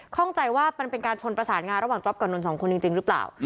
ข้องใจว่ามันเป็นการชนประสานงานระหว่างจ๊อปกับนนท์สองคนจริงหรือเปล่า